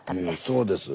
そうです。